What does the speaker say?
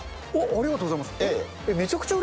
ありがとうございます。